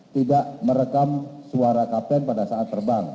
tidak merekam suara kapten pada saat terbang